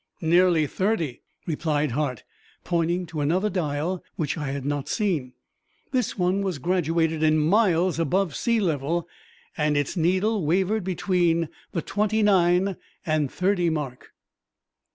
"Nearly thirty," replied Hart, pointing to another dial which I had not seen. This one was graduated in miles above sea level, and its needle wavered between the twenty nine and thirty mark!